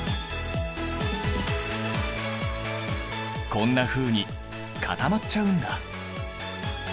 こんなふうに固まっちゃうんだ。